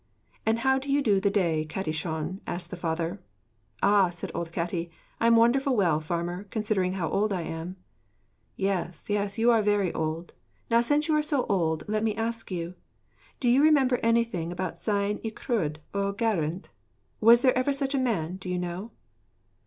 'And how do you do the day, Catti Shon?' asked the farmer. 'Ah,' said old Catti, 'I'm wonderful well, farmer, considering how old I am.' 'Yes, yes, you're very old. Now, since you are so old, let me ask you do you remember anything about Sion y Crydd o Glanrhyd? Was there ever such a man, do you know?'